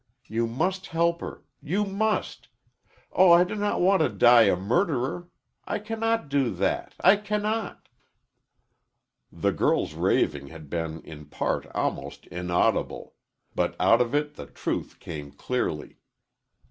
You must help her! You must! Oh, I do not want to die a murderer! I cannot do that I cannot!" The girl's raving had been in part almost inaudible, but out of it the truth came clearly.